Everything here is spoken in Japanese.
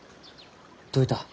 どういた？